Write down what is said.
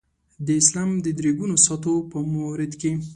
د اسلام د درې ګونو سطحو په مورد کې.